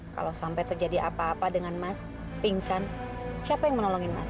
kalau sampai terjadi apa apa dengan mas pingsan siapa yang menolongin mas